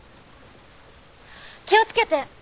気をつけて！